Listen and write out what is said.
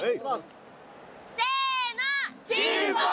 ・せの！